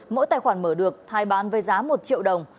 mỗi tài khoản mở được thái bán với giá một triệu đồng